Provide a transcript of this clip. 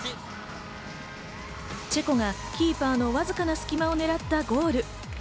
チェコがキーパーのわずかな隙間をねらったゴール。